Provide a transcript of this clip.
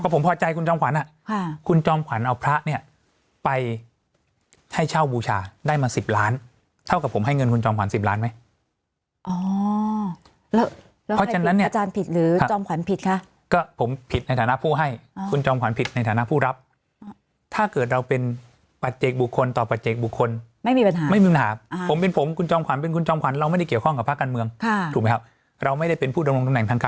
พอใจคุณจอมขวัญอ่ะคุณจอมขวัญเอาพระเนี้ยไปให้เช่าบูชาได้มาสิบล้านเท่ากับผมให้เงินคุณจอมขวัญสิบล้านไหมอ๋อแล้วเพราะฉะนั้นเนี้ยอาจารย์ผิดหรือจอมขวัญผิดคะก็ผมผิดในฐานะผู้ให้คุณจอมขวัญผิดในฐานะผู้รับถ้าเกิดเราเป็นปัจเจกบุคคลต่อปัจเจกบุคคลไม่มีปัญหาไม่มีปั